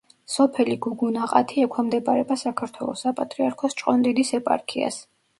სოფელი გუგუნაყათი ექვემდებარება საქართველოს საპატრიარქოს ჭყონდიდის ეპარქიას.